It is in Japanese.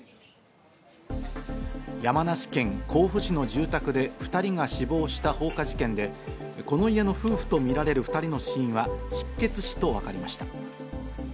山梨県甲府市の住宅で２人が死亡した放火事件で、この家の夫婦とみられる２人の死因は失血死と分かりました。